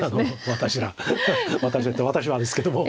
「私ら」って「私は」ですけども。